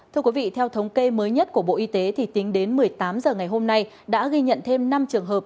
thưa quý vị theo thống kê mới nhất của bộ y tế thì tính đến một mươi tám h ngày hôm nay đã ghi nhận thêm năm trường hợp